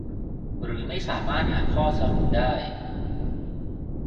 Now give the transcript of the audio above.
หรือไม่สามารถหาข้อสรุปได้